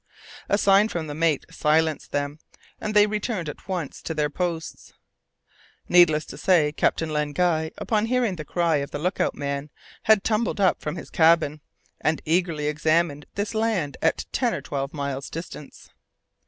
A sign from the mate silenced them, and they returned at once to their posts. Needless to say, Captain Len Guy, upon hearing the cry of the look out man, had tumbled up from his cabin and eagerly examined this land at ten or twelve miles distance.